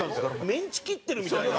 メンチ切ってるみたいな。